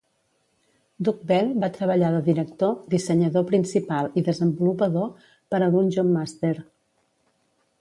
Doug Bell va treballar de director, dissenyador principal i desenvolupador per a Dungeon Master.